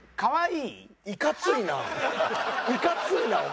いかついなお前。